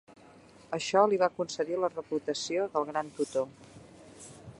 Això li va concedir la reputació del gran tutor.